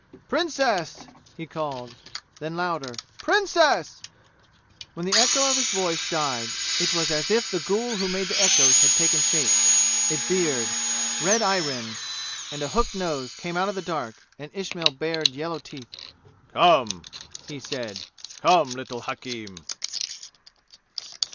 "Princess!" he called. Then louder, "Princess!" When the echo of his own voice died, it was as if the ghoul who made the echoes had taken shape. A beard red eye rims and a hook nose came out of the dark, and Ismail bared yellow teeth. "Come!" he said. "Come, little hakim!"